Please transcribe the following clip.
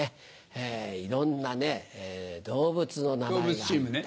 いろんな動物の名前が入った。